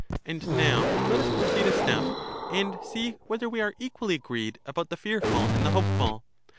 And now let us proceed a step, and see whether we are equally agreed about the fearful and the hopeful.